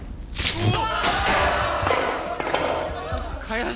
・うわ！